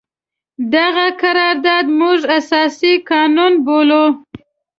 دغه قرارداد موږ اساسي قانون بولو.